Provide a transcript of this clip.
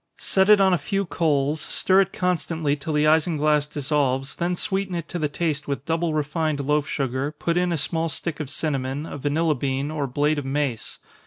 Set it on a few coals, stir it constantly till the isinglass dissolves, then sweeten it to the taste with double refined loaf sugar, put in a small stick of cinnamon, a vanilla bean, or blade of mace.